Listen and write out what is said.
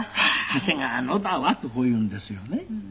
「長谷川のだわ」とこう言うんですよね。